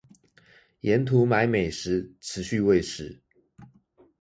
沿途買美食持續餵食